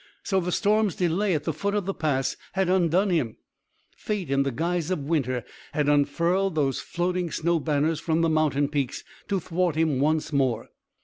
So the storm's delay at the foot of the Pass had undone him! Fate, in the guise of Winter, had unfurled those floating snow banners from the mountain peaks to thwart him once more!